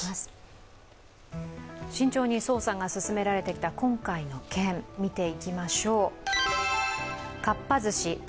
慎重に捜査が進められてきた今回の件、見ていきましょう。